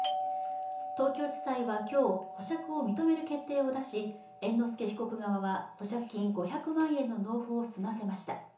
東京地裁は今日、保釈を認める決定を出し、猿之助被告側は保釈金５００万円の納付を済ませました。